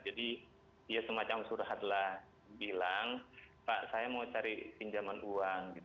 jadi dia semacam surhatlah bilang pak saya mau cari pinjaman uang